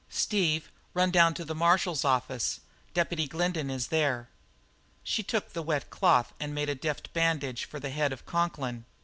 "Steve, run down to the marshal's office; Deputy Glendin is there." She took the wet cloth and made a deft bandage for the head of Conklin.